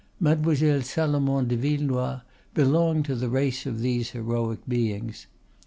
Mademoiselle Salomon de Villenoix belonged to the race of these heroic beings.